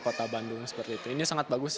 kota bandung ini sangat bagus